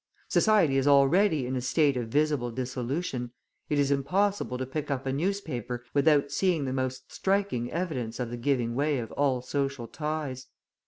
Society is already in a state of visible dissolution; it is impossible to pick up a newspaper without seeing the most striking evidence of the giving way of all social ties.